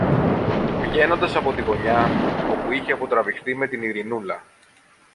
βγαίνοντας από τη γωνιά όπου είχε αποτραβηχθεί με την Ειρηνούλα.